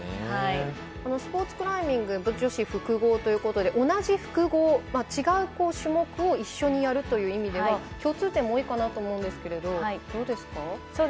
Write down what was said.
スポーツクライミング女子複合ということで同じ複合、違う種目を一緒にやるという意味では共通点も多いかなと思うんですがどうですか？